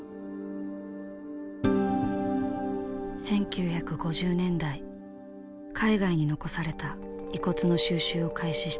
１９５０年代海外に残された遺骨の収集を開始した日本。